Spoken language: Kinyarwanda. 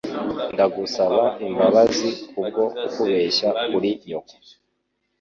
Ndagusaba imbabazi kubwo kukubeshya kuri nyoko.